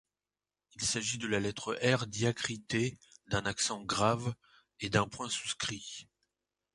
Il s’agit de la lettre R diacritée d’un accent grave et d’un point souscrit.